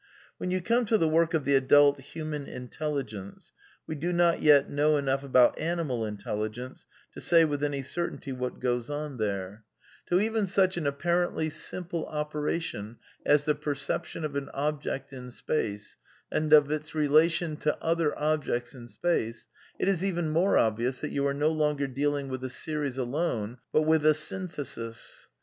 When you come to the work of the adult human intelli gence (we do not yet know enough about animal intelli gence to say with any certainty what goes on there), to SOME QUESTIONS OF PSYCHOLOGY 106 even such an apparently simple operation as the perception of an object in space, and of its relation to other objects r in space, it is even more obvious that you are no longear^^ dealing with a series alone but with a sjSiiyiuipis.